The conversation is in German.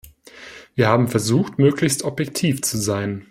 Wir haben versucht, möglichst objektiv zu sein.